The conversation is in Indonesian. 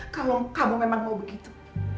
kalau kamu memang mau begitu